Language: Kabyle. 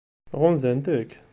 Ɣunzant-k?